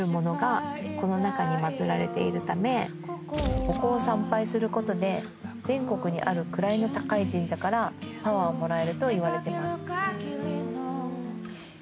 ここを参拝することで全国にある位の高い神社からパワーをもらえるといわれてます。